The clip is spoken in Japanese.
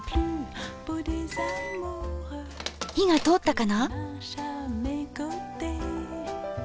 火が通ったかな？